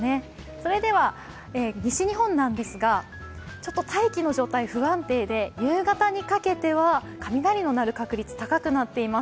それでは西日本なんですが、大気の状態、不安定で夕方にかけては雷の鳴る確率、高くなっています。